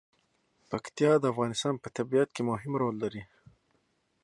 پکتیا د افغانستان په طبیعت کې مهم رول لري.